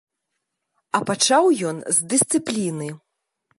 А пачаў ён з дысцыпліны.